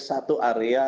satu area jabodetabek